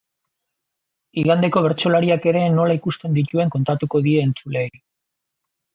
Igandeko bertsolariak ere nola ikusten dituen kontatuko die entzuleei.